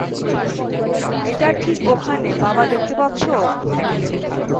এটা ঠিক ওখানে, বাবা - দেখতে পাচ্ছো?